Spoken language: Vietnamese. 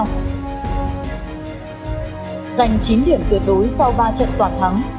giành chính điểm tuyệt đối sau ba trận toàn thắng